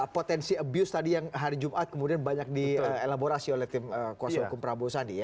potensi abuse tadi yang hari jumat kemudian banyak dielaborasi oleh tim kuasa hukum prabowo sandi ya